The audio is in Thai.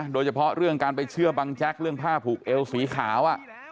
โดยเฉพาะเรื่องการไปเชื่อบังแจ๊กเรื่องผ้าผูกเอวสีขาว